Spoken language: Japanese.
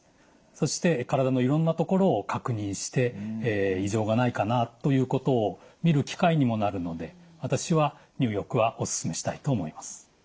そして体のいろんなところを確認して異常がないかなということを見る機会にもなるので私は入浴はおすすめしたいと思います。